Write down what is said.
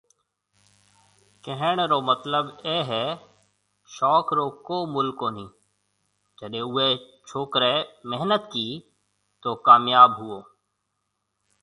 ڪهڻ رو مطلب اي هي شوق رو ڪو مُل ڪونهي جڏي اوئي ڇوڪري محنت ڪي تو ڪامياب هوئو